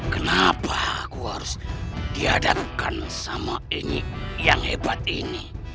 kenapa aku harus dihadapkan sama ini yang hebat ini